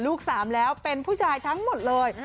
ลูก๓แล้วเป็นผู้ชายทั้งหมดเลย